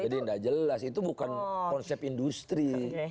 tidak jelas itu bukan konsep industri